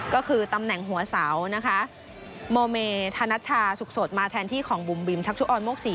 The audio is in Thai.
ก็คือตำแหน่งหัวเสานะคะโมเมธนัชชาสุขสดมาแทนที่ของบุ๋มบิมชักชุออนโมกศรี